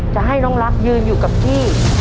จะให้น้องรักยืนอยู่กับที่